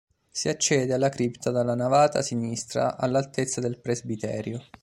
Si accede alla cripta dalla navata sinistra all'altezza del presbiterio.